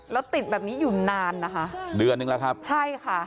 แล้วติดแบบนี้อยู่นานนะคะเดือนนึงแล้วครับใช่ค่ะ